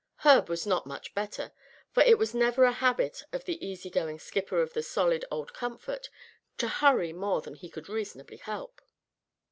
Herb was not much better, for it was never a habit of the easy going skipper of the solid old Comfort to hurry more than he could reasonably help.